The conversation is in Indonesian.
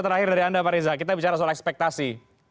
terakhir dari anda pak reza kita bicara soal ekspektasi